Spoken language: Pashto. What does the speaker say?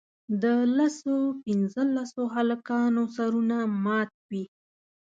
د لسو پینځلسو هلکانو سرونه مات وي.